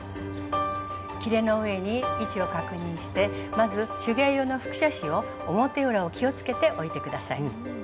きれの上に位置を確認してまず手芸用の複写紙を表裏を気をつけて置いて下さい。